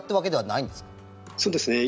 そうですね。